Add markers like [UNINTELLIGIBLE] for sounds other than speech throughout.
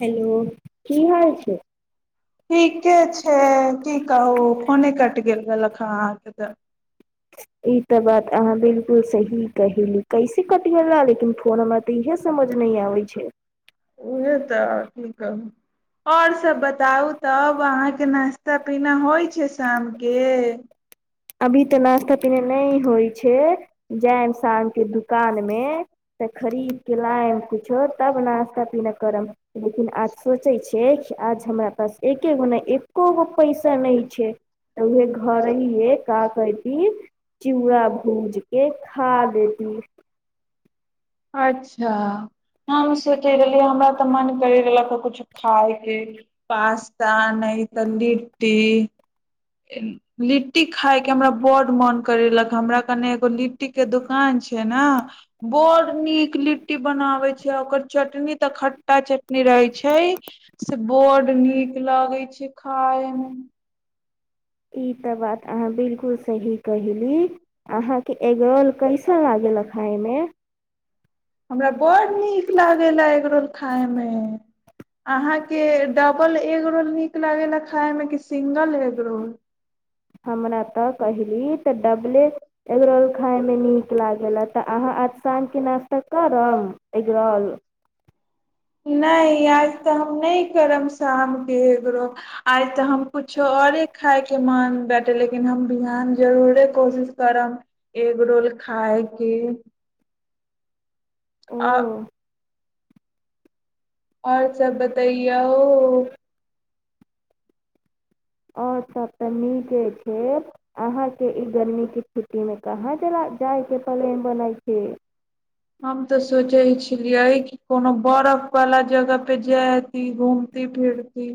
hello की हाल छै ठीके छै की कहू फोने कटि गेल रहलक हे अहाँके तऽ ई तऽ बात अहाँ बिलकुल सही कही ली कैसे कटिंग ल लेकिन फोनमे तीह समझ न आ छै उह तऽ की कर आओर सभ बताउ तब अहाँके नाश्ता पीना होइ छै शामके अभी तऽ नाश्ता पीने नहि होइ छै जायम शाम के दुकान मे त खरीद के लाायम कुछो तब नास्ता पीना करब लेकिन आज सोचै छै हे आज हमरा प एक गो एको गो पैसा नहि छै त उहे घर ही मे जिम पूरा भूज के खा लेली अच्छा हम सोचै रहलियै हमरा तऽ मन करय रहलक किछु खायके पास्ता नहि त मििट्टी [INAUDIBLE] कुटी खाय के हमरा बड्ड मन करे लक हमरा कने एगो लिट्टी के दुकान छै ने बड नीक लिट्टी बनाबे छै ओकर चटनी तऽ खट्टा चटनी रहे छै से बड नीक लगे छै खााय मे ई सब बात अहाँ बिलकु ओ सही कहयली अहाँके एग रोल कैसन लागलए खाायमे हमरा बड्ड नीक लागैए एग रोल खायमे अहाँके डबल एग रोल नीक लागैए खायमे कि सिंगल एग रोल हमरा तऽ कहली तऽ डबले एगरोल खायमे नीक लागल आ तऽ अहाँ आज शामके नाश्ता करम एगरोल नहि आज तऽ हम नहि करब शामके एग रोल आइ तऽ हम कुछो औरे खाायके मन बैटे लेकिन हम बिहान जरूरे कोशिश करब एग रोल खाायके आँ ओ आओर सब बतैयौ आओर सभ तऽ नीके छै अहाँके ई गर्मीके छुट्टीमे कहाँ चला जायके प्लान बनै छै हम तऽ सोचै छलियै कि कोनो बरफ वाला जगह पे जायती घूमती फिरती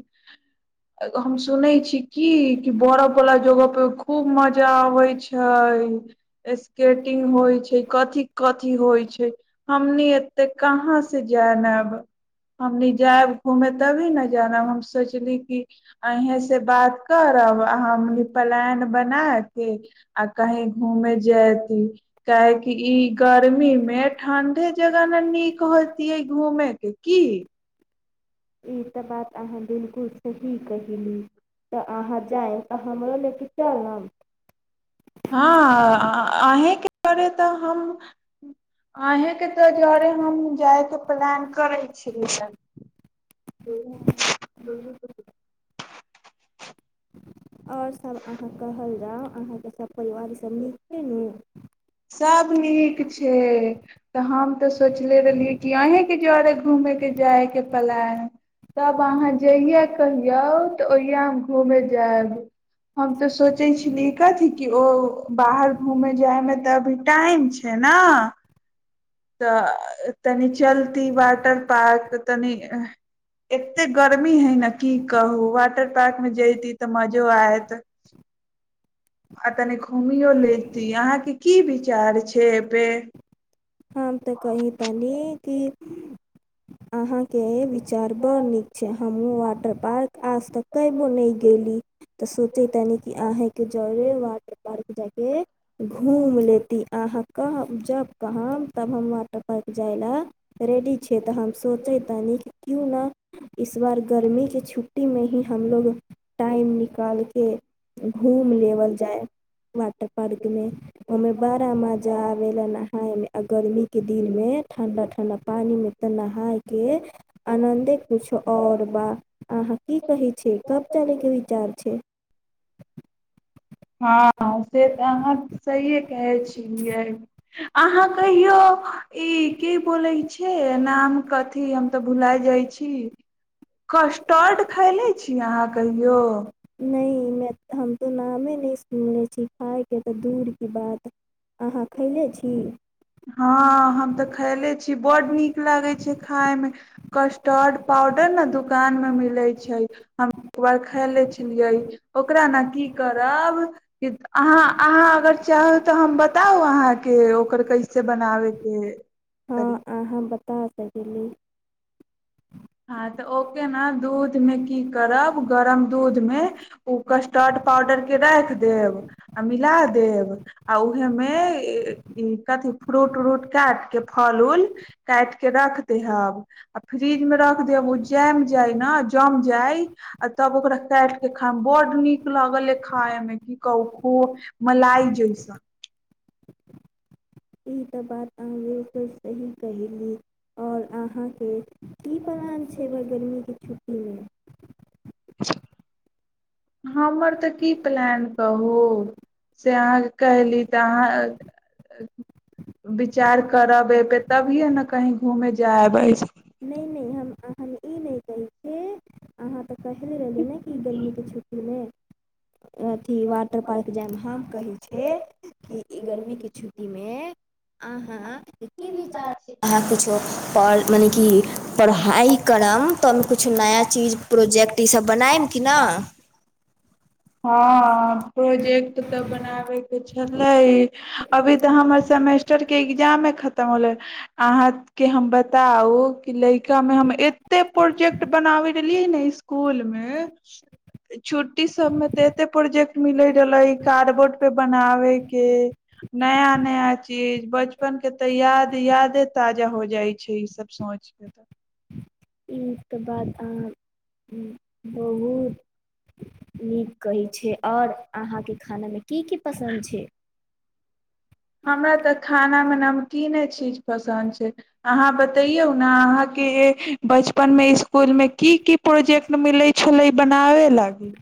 हम सुनै छी की कि बरफ वाला जगह पे खूब मजा आबे छै स्केटिंग होइ छै कथि कथि होइ छै हमनी एते कहाँ जाय ने एब हमनै जायब घुमे तब ओहि ने जानब हम सोचली कि अहें से बात करब आ हम प्लान बना के आ कही घूमे जेयती काह कि ई गर्मी मे ठंडे जगह ने नीक होतियै घूमे के की ई तऽ बात अहाँ बिलकुल सही कहली तऽ अहाँ जायब तऽ हमरो लेके चलब हँ अहें आहें के दुआरे आहें के तऽ दुआरे हम जायके प्लान करै छलियै ह [UNINTELLIGIBLE] आओर सब अहाँ कहल जाउ अहाँके सभपिवार सभ नीक छै नु सभ नीक छै तऽ हम तऽ सोचले रहलियै कि अहीँके दुआरे घूमयके जायके प्लान तब अहाँ जहिया कहियौ तऽ ओहिया हम घूमेय जायब हम तऽ सोचै छलियै कथी कि ओ बाहर घूमय जायमे तऽ अभी टाइम छै ने तऽ तनि चलती वाटर पार्क तनि एतेक गर्मी हइ ने की कहू वाटर पार्कमे जयती तऽ मजो आयत आ तनि घूमियो लेती अहाँके की विचार छै एहिपे हम तऽ कही तनी कि अहाँके ई विचार बड़ नीक छै हमहुँ वाटर पार्क आज तक कबो नहि गेली तऽ सोचे तनि कि अहेंके जरे वाटर पार्क तऽ जायके घूम लेती अहाँक कहब जब कहब तब हम वाटर पार्क जाइ लै रेडी छियै तऽ हम सोचै तनि क्यों न इस बार गर्मीके छुट्टीमे ही हमलोग टाइम निकालके घूम लेवल जाय वा पार्कमे ओहिमे बाड़ा माजा आवेला नहायमे आ गर्मी के दिनमे ठण्डा ठण्डा पानिमे तऽ नहायके आनन्दे कुछो आओर बा अहाँ की कहै छै कब चलैके विचार छै हँ से तऽ अहाँ सहिए कहै छलियै अहाँ कहियौ ई की बोलै छै नाम अथी हम तऽ भुला जाइ छी कस्टर्ड खयले छी अहाँ कहियौ नहिमे हम तऽ नामे नहि सुनले छी खायके तऽ दूर की बात अहाँ खैले छी हँ हम तऽ खायले छी बड्ड नीक लागै छै खायमे कस्टर्ड पाउडर ने दुकानमे मिलैत छै हम एक बार खायले छलियै ओकरा ने की करब अहाँ अहाँ अगर चाहू तऽ हम बताउ अहाँके ओकर कैसे बनाब के हां सखी आहां बता सकली हँ तऽ ओके ने दूधमे की करब गरम दूधमे ओ कस्टर्ड पाउडरके राखि देब आ मिला देब आ उहेमे ई कथी फ्रूट उ्रूट काटिके फल उल काटििके रख देहब आ फ्रीजमे रख जब ओ जम जाय ने जम जाय आ तब ओकरा काट के खाय बड नीक लगल खाय मे की कहू खो मलाई जैस ई तऽ बात आगे तऽ सही कहैली आओर अहाँके की प्लान छै एहि बार गर्मीके छुट्टीमे हमर तऽ की प्लान कहू से अहाँके कहयली तऽ अहाँ विचार करब एहिपर तभिए ने कहीँ घूमेय जा अबै नहि नहि हम हम ई नहि कहै ह ई गर्मी के छुट्टी मे अथी वाटर पार्क जाइमे हम कहै छिय कि ई गर्मीके छुट्टीमे आहँ जतेक विचार अहाँ किछो प मने कि पढ़ाइ करब तऽ ओहिमे किछो नया चीज प्रोजेक्ट ईसभ बनायब कि ने हँ प्रोजेक्ट तऽ बनाबे के छलै अभी तऽ हमर सेमेस्टर के एग्जमे खतम होले अहाँके हम बताउ कि लड़का मे हम एते प्रोजेक्ट बनाबे रहलियै ने स्सकुल मे छुट्टी सबमे एते प्रोजेक्ट मिले रहले कार्डबोर्ड पे बनाबे के नया नया चीज बचपन के तऽ याद यादे ताजा हो जाइ छै ई सब सोच के तऽ कर बाद अह ह नीक कहै छै आओर अहाँके खानामे की की पसन्द छै हमरा तऽ खाना मे की नहिज पसन्द छै अहाँ बतैौ ने अहाँके बचपन मे इसकुल मे की की प्रोजेक्ट मिलै छलै बनाबे लागी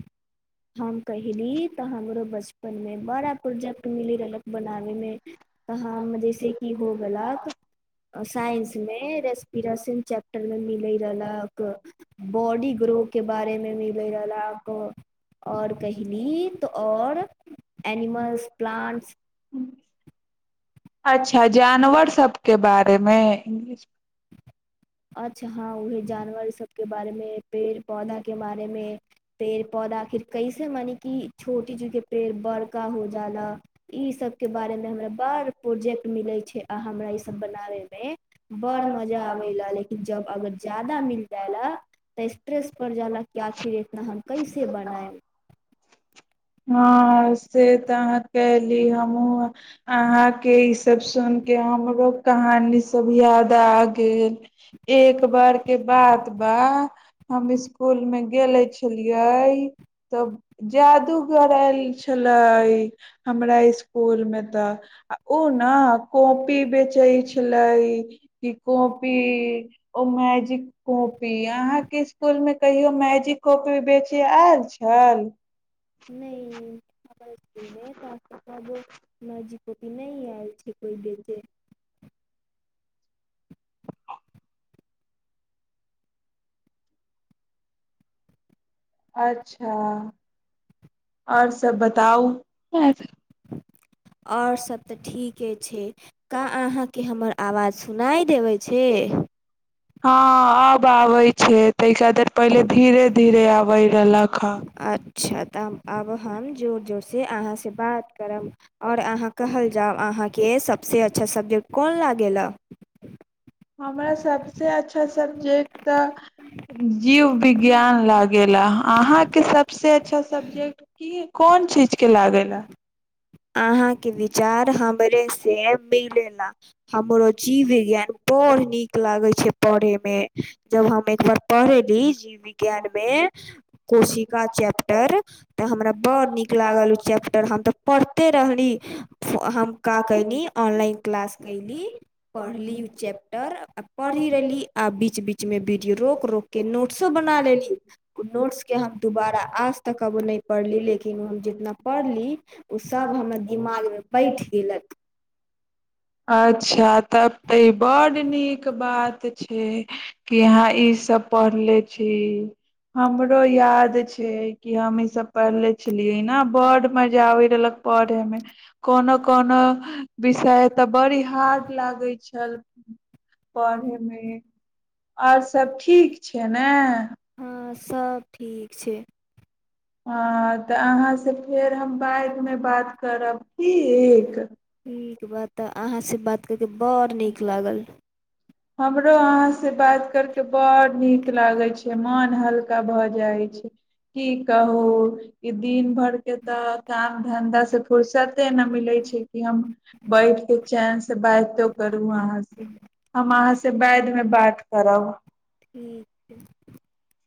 हम कहयली तऽ हमरो बचपनमे बड़ा प्रोजेक्ट मिली रहलक बनाबयमे तऽाँ जैसेि हो गेलक साइंसमे रेस्पिरेशन चैप्टरमे मिलै रहलक बॉडी ग्रोे बारेमे मिलै रहलक आओर कहली तऽ आओर एनिमल्स प्लांट्स अच्छा जानवर सबके बारे मे इंग्लिश अच्छहाँ हए जानवर सबके बारेमे पेड़ पौधा के बारेमे पेड़ पौधा आखिर कैस मने की छोटी पेड़ बड़का हो जाला ई सब के बारे मे हमरा बड़ प्रोजेक्ट मिले छै आ हमरा ई सब बनावे मे बड़ मज जाबै ल लै जब अगर जा मिल जाा तऽ स्ट्रेस प जा कि आखिर इतना हम कैसे बनायब हँ से तऽ अहाँ कली हमहहुँ अहाँके ईसभ सुन के हमरो कहानी सब याद आ गेल एक बार के बात बा हम इसकुल मे गेले छलियै तब जादू गल छले हमरा इसकुल मे तऽ ओ ने कॉपी बेचे छले कि कॉपी ओ मैजिक कोपी अहहाँ क स्कुल मे कहियो मैजिक कॉपी बेच आयल छल नहि त कहबो नर्जी कॉपी नहि आयल छै कोइ बेचै अच्छा आओर सब बताउ पैदल आओर सब तऽ ठीक के छी क अहाँके हमर आवाज सुनाय देबै छै हँ अब आबै छै तहि एकाादर पहिले धीरे धीरे आबै रहलक ह अच्छा तऽ आब हम जोर जोरसँ अहाँसँ बात करब आओर अहाँ कहल जाउ अहाँके सभसँ अच्छा सब्जेक्ट कोन लागैए हमरा सभसँ अच्छा सब्जेक्ट तऽ जीवविज्ञान लागैए अहाँके सभसँ अच्छा सब्जेक्ट की कोन चीजके लागैए अहाँके विचार हमरे से मिले ला हमर जीव विज्ञान बहुत नीक नीक लागै छै पढ़ैमे जब हम एकबार पढ़ैली जीव विज्ञानमे कोशिका चैप्टर तऽ हमरा बड़ नीक लागल ओ चैप्टर हम तऽ पढ़ ते रहली हम का कयली आऑनलाइन क्लास कयली पढ़ली ओ चैप्टर आ पढ़ि रहली आ बीच बीचमे वीडियो रोक रोकिके नोट्सो बना लेली ओ नोट्सके हम दुोबारा आज तकब नहि पढ़ली लेकिन हम जितना पढ़ली सभ हमर दिमागमे बैठ गेलक अच्छा तऽ त बड नीक बात छै कि यहा ई सब पढ़ले छी हमरो याद छै कि हम ई सब पढ़ले छलियै ने बड मजा आबैत रहलक पढ़े मे कोनो कोनो विषय बड़ि हार् लागे छल पढ़यमे आओर सभ ठीक छै ने हँ सब ठीक छै हँ तऽ अहाँसँ फेर हम राति मे बात करब ठीक ठीक बात तऽ अहाँ से बात क क बड़ नीक लागल हमरो अहाँ से बात करके बड़ नीक लागैत छै मन हल्का भऽ जाइत छै की कहू ई दिन भर के तऽ काम धंधा से फुर्सते न मिलै छै कि हम बैठ के चेन से बातो करू अहाँ से अहाँ से बैाद मे बात करब ठीक छै